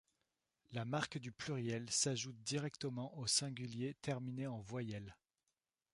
La marque du pluriel s’ajoute directement aux singuliers terminés en voyelle.